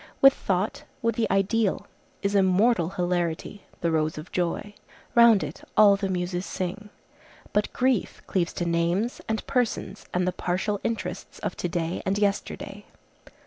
With thought, with the ideal, is immortal hilarity, the rose of joy. Round it all the Muses sing. But grief cleaves to names, and persons, and the partial interests of to day and yesterday.